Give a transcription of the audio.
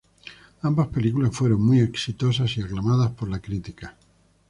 Ambas películas fueron muy exitosas y aclamadas por la crítica.